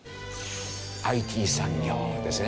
ＩＴ産業ですね。